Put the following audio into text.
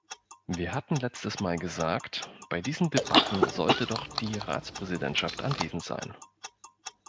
Wir hatten letztes Mal gesagt, bei diesen Debatten sollte doch die Ratspräsidentschaft anwesend sein.